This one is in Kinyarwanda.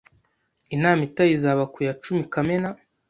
Inama itaha izaba ku ya cumi Kamena